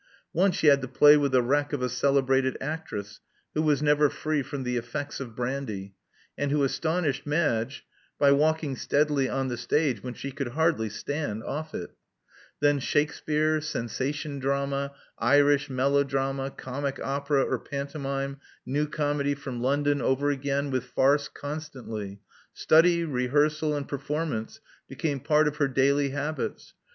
Once she had to play with the wreck of a celebrated actress, who was never free from the effects of brandy, and who astonished Madge by walking 158 Love Among the Artists steadily on the stage when she could hardly stand off it Then Shakspere, sensation drama, Irish melodrama, comic opera or pantomime, new comedy from London over again, with farce constantly. Study, rehearsal, and performance became part of her daily habits.